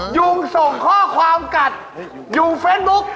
ยุ่งส่งข้อความกัดยุ่งเฟสบุ๊ค